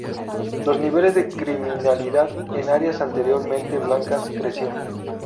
Los niveles de criminalidad en áreas anteriormente blancas, creció.